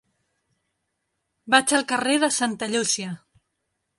Vaig al carrer de Santa Llúcia.